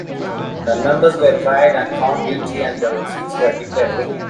The members were tried and found guilty and their seats were declared vacant.